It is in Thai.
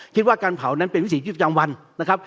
คิดว่าการเผานั้นเป็นวิศีจุดจำวันนะครับ